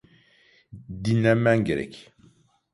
Dinlenmen gerek.